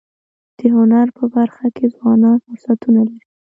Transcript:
د هنر په برخه کي ځوانان فرصتونه لري.